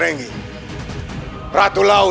mereka lebih bernyanyi